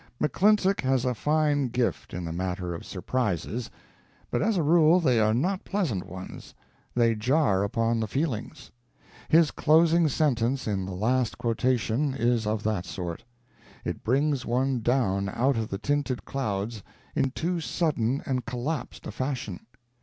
McClintock has a fine gift in the matter of surprises; but as a rule they are not pleasant ones, they jar upon the feelings. His closing sentence in the last quotation is of that sort. It brings one down out of the tinted clouds in too sudden and collapsed a fashion.